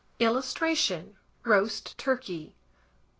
[Illustration: ROAST TURKEY.